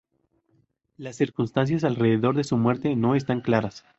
Las circunstancias alrededor de su muerte no están claras.